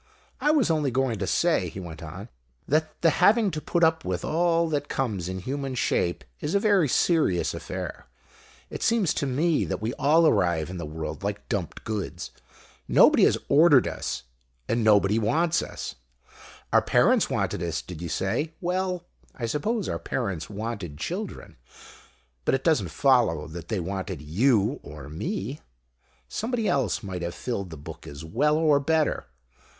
I was only going to say," he went on, "that the having to put up with all that comes in human shape is a very serious affair. It seems to me that we all arrive in the world like dumped goods. Nobody has 'ordered' us, and perhaps nobody wants us. Our parents wanted us, did you say? Well, I suppose our parents wanted children; but it doesn't follow that they wanted you or me. Somebody else might have filled the book as well, or better.